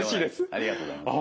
ありがとうございます。